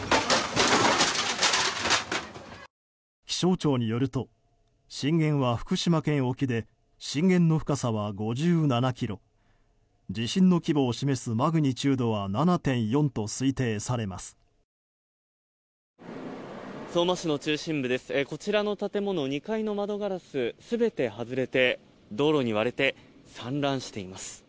気象庁によると震源は福島県沖で震源の深さは５７ｋｍ地震の規模を示すマグニチュードは７．４と推定されます。